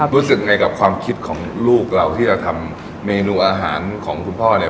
รู้สึกไงกับความคิดของลูกเราที่เราทำเมนูอาหารของคุณพ่อเนี่ย